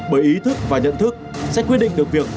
bởi ý thức và nhận thức sẽ quyết định được việc